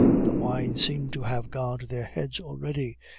The wine seemed to have gone to their heads already.